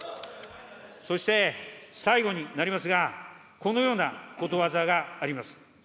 そして、最後になりますが、このようなことわざがあります。